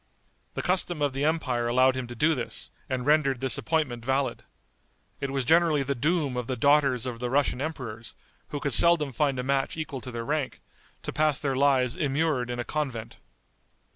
The custom of the empire allowed him to do this, and rendered this appointment valid. It was generally the doom of the daughters of the Russian emperors, who could seldom find a match equal to their rank, to pass their lives immured in a convent.